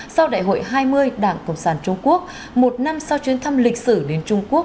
sau đại hội hai mươi đảng cộng sản trung quốc một năm sau chuyến thăm lịch sử đến trung quốc